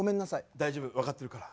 大丈夫分かってるから。